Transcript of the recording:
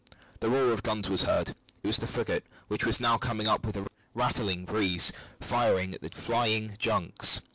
The roar of guns was heard. It was the frigate which was now coming up with a rattling breeze, firing at the flying junks.